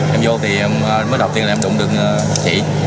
em vô thì mới đầu tiên là em đụng được chị